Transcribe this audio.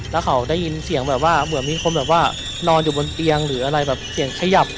แล้วเขาได้ยินเสียงแบบว่าเหมือนมีคนแบบว่านอนอยู่บนเตียงหรืออะไรแบบเสียงขยับ